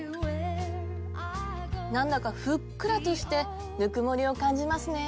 何だか「ふっくら」としてぬくもりを感じますね。